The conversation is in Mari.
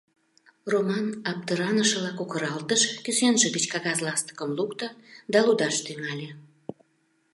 Роман аптыранышыла кокыралтыш, кӱсенже гыч кагаз ластыкым лукто да лудаш тӱҥале: